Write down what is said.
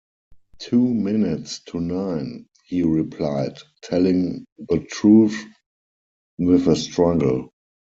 “Two minutes to nine,” he replied, telling the truth with a struggle.